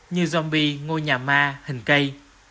như zombie ngôi nhà ma hình cây